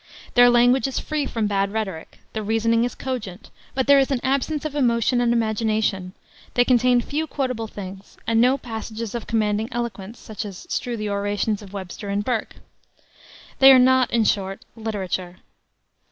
Their language is free from bad rhetoric; the reasoning is cogent, but there is an absence of emotion and imagination; they contain few quotable things, and no passages of commanding eloquence, such as strew the orations of Webster and Burke. They are not, in short, literature.